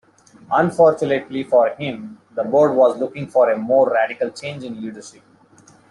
Unfortunately for him, the board was looking for a more radical change in leadership.